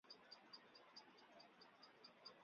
第一代恒久王是能久亲王的第一子。